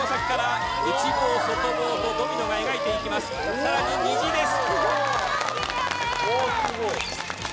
さらに虹です。